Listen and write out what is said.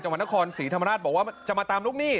จังหวัญท่าคอนศรีธรรมดาลบอกว่าจะมาตามลูกหนี้